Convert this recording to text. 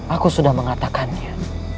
aku sudah mengatakannya